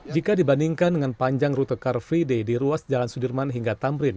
jika dibandingkan dengan panjang rute car free day di ruas jalan sudirman hingga tamrin